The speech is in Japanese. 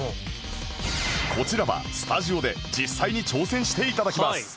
こちらはスタジオで実際に挑戦して頂きます